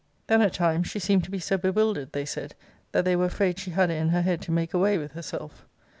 Then at times she seemed to be so bewildered, they said, that they were afraid she had it in her head to make away with herself.